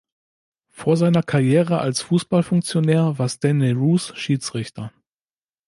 Vor seiner Karriere als Fußball-Funktionär war Stanley Rous Schiedsrichter.